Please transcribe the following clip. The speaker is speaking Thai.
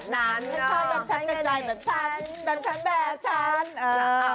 ถ้าชอบแบบฉันก็ได้แบบฉัน